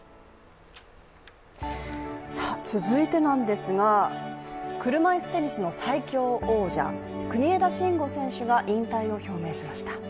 続いてなんですが、車いすテニスの最強王者、国枝慎吾選手が引退を表明しました。